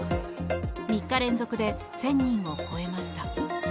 ３日連続で１０００人を超えました。